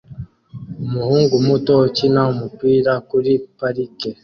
Umuhungu muto ukina umupira kuri parike